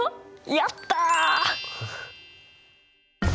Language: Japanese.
やった！